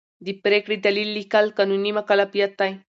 د پرېکړې دلیل لیکل قانوني مکلفیت دی.